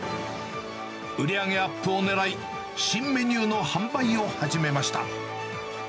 売り上げアップをねらい、新メニューの販売を始めました。